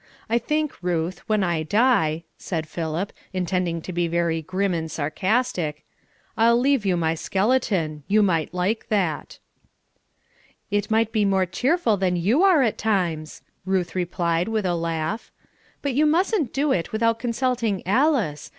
I think, Ruth, when I die," said Philip, intending to be very grim and sarcastic, "I'll leave you my skeleton. You might like that." "It might be more cheerful than you are at times," Ruth replied with a laugh. "But you mustn't do it without consulting Alice.